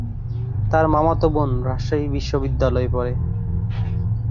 তার মামাতো বোন রাজশাহী বিশ্বনিদ্যালয়ে পড়ে।